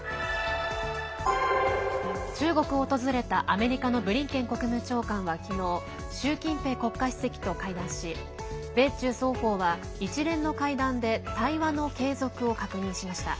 中国を訪れたアメリカのブリンケン国務長官は昨日習近平国家主席と会談し米中双方は一連の会談で対話の継続を確認しました。